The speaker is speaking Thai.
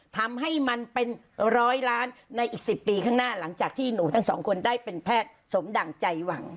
ทำให้มันเป็นร้อยล้านในอีก๑๐ปีข้างหน้าหลังจากที่หนูทั้งสองคนได้เป็นแพทย์สมดั่งใจหวัง